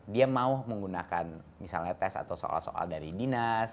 dia mau menggunakan misalnya tes atau soal soal dari dinas